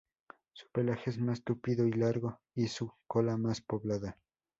Su pelaje es más tupido y largo y su cola más poblada.